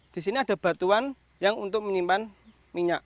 di sini ada batuan yang untuk menyimpan minyak